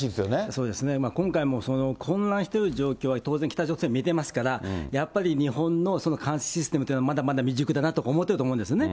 そうですね、今回も混乱してる状況は、当然北朝鮮、見てますから、やっぱり日本の監視システムというのは、まだまだ未熟だなとか思ってると思うんですね。